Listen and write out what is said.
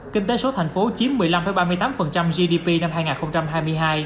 kinh tế số thành phố chiếm một mươi năm ba mươi tám gdp năm hai nghìn hai mươi hai